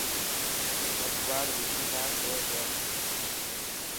سڀ ٻاڙ وڪي نا جوئي پيا.